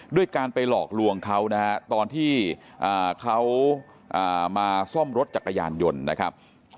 ด้วยการไปหลอกลวงเขานะฮะตอนที่เขามาซ่อมรถจักรยานยนต์นะครับ